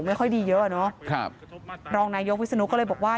ไม่ค่อยดีเยอะน่ะรองนายโยควิศนุก็เลยบอกว่า